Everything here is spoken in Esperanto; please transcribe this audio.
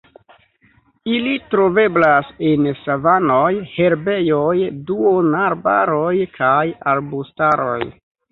Ili troveblas en savanoj, herbejoj, duonarbaroj kaj arbustaroj.